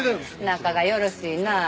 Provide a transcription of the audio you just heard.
仲がよろしいなあ。